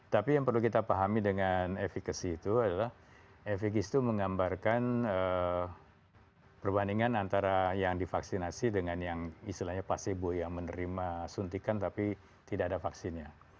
tapi yang perlu kita pahami dengan efekasi itu adalah efekis itu menggambarkan perbandingan antara yang divaksinasi dengan yang istilahnya placebo yang menerima suntikan tapi tidak ada vaksinnya